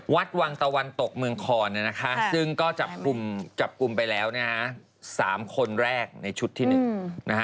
วัดวังตะวันตกเมืองคอนซึ่งก็จับกลุ่มไปแล้ว๓คนแรกในชุดที่หนึ่ง